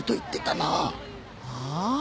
ああ。